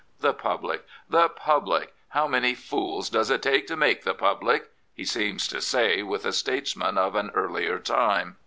The public! the public! how many fools does it take to make the public? '' he seems to say with a statesman of an earlier time.